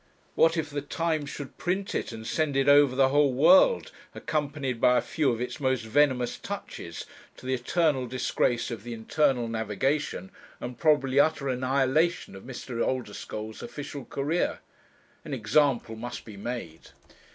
What if the Times should print it and send it over the whole world, accompanied by a few of its most venomous touches, to the eternal disgrace of the Internal Navigation, and probably utter annihilation of Mr. Oldeschole's official career! An example must be made!